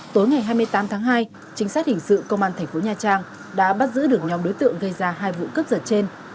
tối ngày hai mươi tám tháng hai chính sách hình sự công an thành phố nha trang đã bắt giữ được nhóm đối tượng gây ra hai vụ cướp giật trên